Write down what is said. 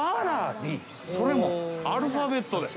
それもアルファベットです。